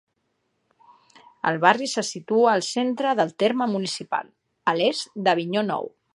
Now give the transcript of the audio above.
El barri se situa al centre del terme municipal, a l'est d'Avinyó Nou.